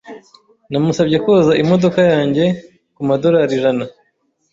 Namusabye koza imodoka yanjye kumadorari ijana.